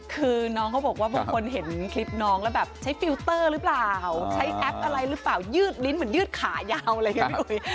คือน้องเขาบอกว่าบางคนเห็นคลิปน้องแล้วแบบใช้ฟิลเตอร์หรือเปล่าใช้แอปอะไรหรือเปล่ายืดลิ้นเหมือนยืดขายาวเลยไงพี่อุ๋ย